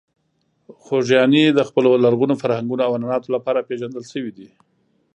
خوږیاڼي د خپلو لرغونو فرهنګونو او عنعناتو لپاره پېژندل شوې ده.